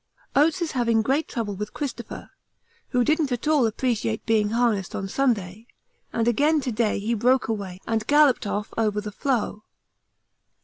Oates is having great trouble with Christopher, who didn't at all appreciate being harnessed on Sunday, and again to day he broke away and galloped off over the floe.